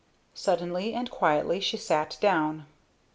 Suddenly and quietly she sat down.